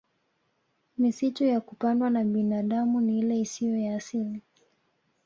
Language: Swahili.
Misitu ya kupandwa na binadami ni ile isiyo ya asili